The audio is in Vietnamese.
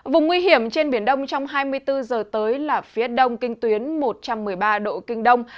vùng nguy hiểm trên biển đông trong hai mươi bốn giờ tới là phía đông kinh tuyến một trăm một mươi ba độ kinh đông